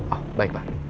oh baik pak